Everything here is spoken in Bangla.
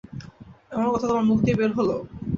এমন কথা তোমার মুখ দিয়ে বের হল!